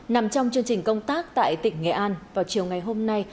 nằm trong chương trình công tác tại tỉnh nghệ an vào chiều ngày hôm nay